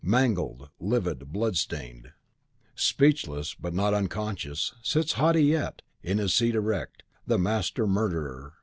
Mangled, livid, blood stained, speechless but not unconscious, sits haughty yet, in his seat erect, the Master Murderer!